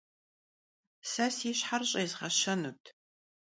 Se si şher ş'êzğeşenut.